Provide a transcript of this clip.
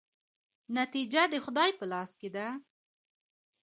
نتیجه د خدای په لاس کې ده؟